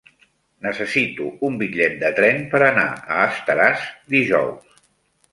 Necessito un bitllet de tren per anar a Estaràs dijous.